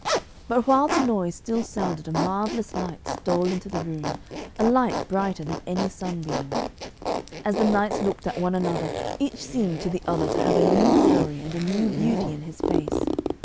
But while the noise still sounded a marvellous light stole into the room, a light brighter than any sunbeam. As the knights looked at one another, each seemed to the other to have a new glory and a new beauty in his face.